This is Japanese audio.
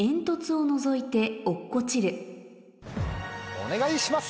お願いします！